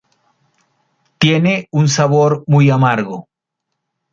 Tiene un sabor muy amargo.